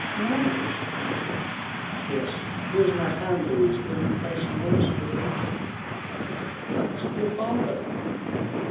"Married?" "Yes, here is my hand, Louise; will you place yours within it?" "But your father?"